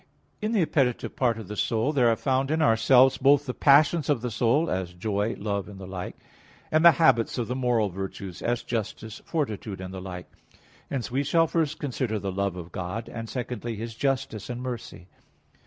In the appetitive part of the soul there are found in ourselves both the passions of the soul, as joy, love, and the like; and the habits of the moral virtues, as justice, fortitude and the like. Hence we shall first consider the love of God, and secondly His justice and mercy.